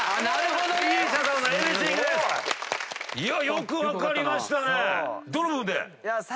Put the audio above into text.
よく分かりましたね！